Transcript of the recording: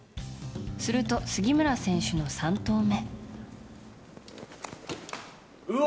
すると、杉村選手の３投目。